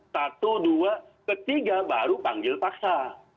satu dua ketiga baru panggil paksa